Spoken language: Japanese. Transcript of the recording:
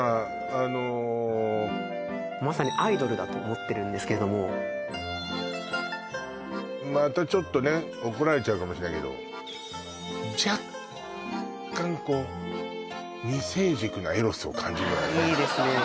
あのまさにアイドルだと思ってるんですけれどもまたちょっとね怒られちゃうかもしれないけど若干こうを感じるわああいいですね